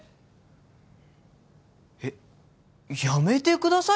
えっやめてくださいよ